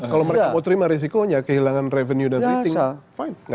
kalau mereka mau terima risikonya kehilangan revenue dan rating